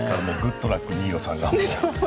グッドラックって新納さんが。